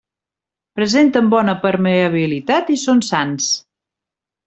Presenten bona permeabilitat i són sans.